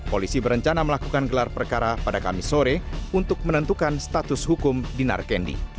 polisi berencana melakukan gelar perkara pada kamis sore untuk menentukan status hukum dinar kendi